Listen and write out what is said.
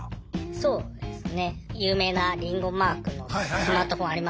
そうですね。